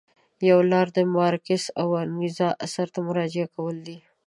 یوه لاره د مارکس او انګلز اثارو ته مراجعه کول دي.